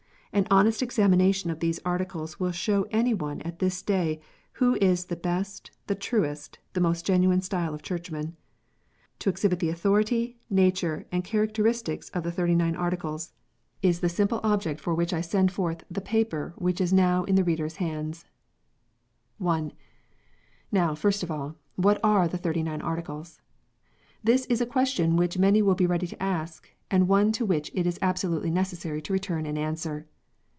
An honest examination of these Articles will show any one at this day who is the best, the truest, the most genuine style of Churchman. To exhibit the authority, nature, and characteristics of the Thirty nine Articles, is the simple THE THIRTY XINE ARTICLES. 65 object for which I send forth the paper which is now in the reader s hands. I. Now, first of all, what are the Thirty nine Articles ? This is a question which many will be ready to ask, and one to which it is absolutely necessary to return an answer.